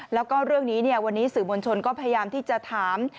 แล้วก็เรื่องนี้วันนี้สื่อมวลชนก็พยายามที่จะถาม